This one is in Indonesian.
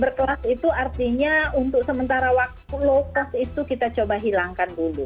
berkelas itu artinya untuk sementara waktu low cost itu kita coba hilangkan dulu